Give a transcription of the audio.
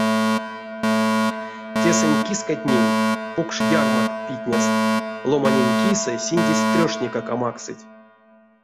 Тесэнь кискатнень покш ярмакт питнест, ломаненть кисэ синдезь трёшниккак а максыть.